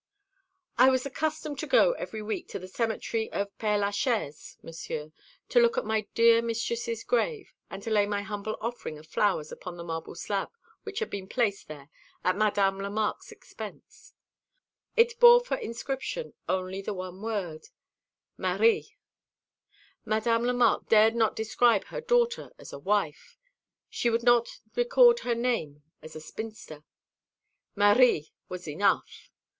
"I was accustomed to go every week to the cemetery of Père Lachaise, Monsieur, to look at my dear mistress's grave, and to lay my humble offering of flowers upon the marble slab which had been placed there at Madame Lemarque's expense. It bore for inscription only the one word Marie: Madame Lemarque dared not describe her daughter as a wife she would not record her name as a spinster. Marie was enough.